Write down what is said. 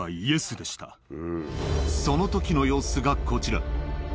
そのときの様子がこちら。